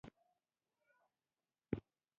مېکاروني خو زه په خپل کور کې هم نه خورم.